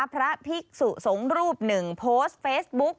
พระภิกษุสงฆ์รูปหนึ่งโพสต์เฟซบุ๊ก